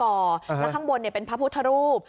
แล้วข้างบนเป็นพระพุทธรูป